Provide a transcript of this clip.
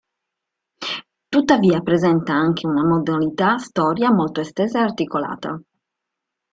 Tuttavia presenta anche una Modalità storia molto estesa e articolata.